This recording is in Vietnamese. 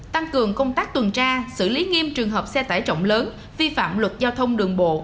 tăng cường công tác tuần tra xử lý nghiêm trường hợp xe tải trọng lớn vi phạm luật giao thông đường bộ